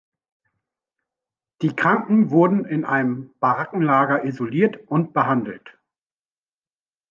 Die Kranken wurden in einem Barackenlager isoliert und behandelt.